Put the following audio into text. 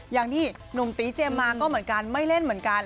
อย่างที่หนุ่มตีเจมส์มาก็เหมือนกันไม่เล่นเหมือนกัน